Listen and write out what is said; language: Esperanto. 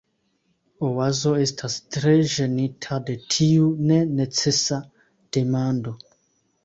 Oazo estas tre ĝenita de tiu nenecesa demando.